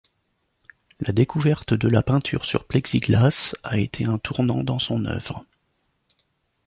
La découverte de la peinture sur plexiglas a été un tournant dans son œuvre.